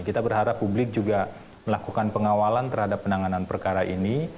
kita berharap publik juga melakukan pengawalan terhadap penanganan perkara ini